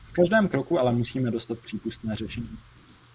V každém kroku ale musíme dostat přípustné řešení.